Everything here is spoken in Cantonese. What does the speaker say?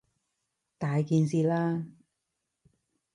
大件事喇！